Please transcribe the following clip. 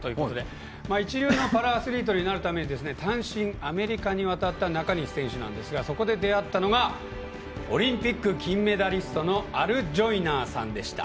一流のパラアスリートになるため単身アメリカに渡った中西選手なんですがそこで出会ったのがオリンピック金メダリストのアル・ジョイナーさんでした。